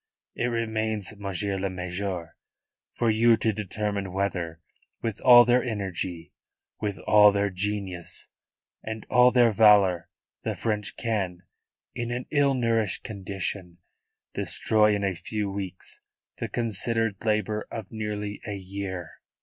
It remains, Monsieur le Major, for you to determine whether, with all their energy, with all their genius and all their valour, the French can in an ill nourished condition destroy in a few weeks the considered labour of nearly a year."